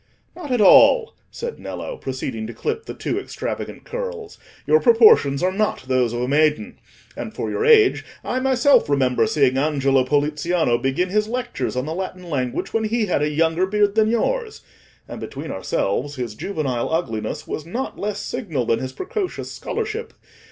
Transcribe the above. "Not at all," said Nello, proceeding to clip the too extravagant curls; "your proportions are not those of a maiden. And for your age, I myself remember seeing Angelo Poliziano begin his lectures on the Latin language when he had a younger beard than yours; and between ourselves, his juvenile ugliness was not less signal than his precocious scholarship.